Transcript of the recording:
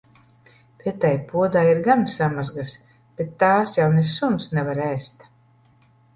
Te tai podā ir gan samazgas, bet tās jau ne suns nevar ēst.